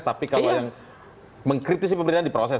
tapi kalau yang mengkritisi pemerintahan diproses